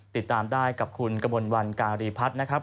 ติดตามได้กับคุณกระมวลวันการีพัฒน์นะครับ